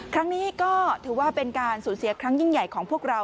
ครั้งนี้ก็ถือว่าเป็นการสูญเสียครั้งยิ่งใหญ่ของพวกเรา